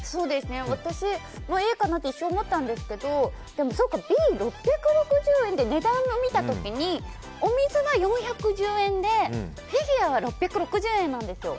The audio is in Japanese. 私もＡかなと一瞬思ったんですけどＢ、６６０円という値段を見た時にお水は４１０円でフィギュアは６６０円なんですよ。